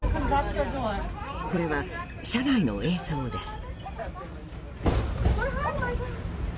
これは車内の映像です。